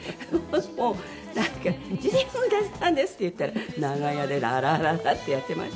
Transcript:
もうなんか「ジュディ・オングさんです」って言ったら長屋で「ララララ」ってやってましたね。